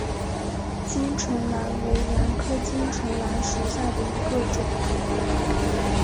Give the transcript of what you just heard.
巾唇兰为兰科巾唇兰属下的一个种。